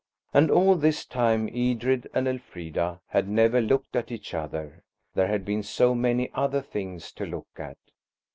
And all this time Edred and Elfrida had never looked at each other. There had been so many other things to look at.